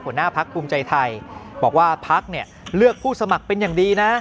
หัวหน้าพักภูมิใจไทยบอกว่าพักเนี่ยเลือกผู้สมัครเป็นอย่างดีนะ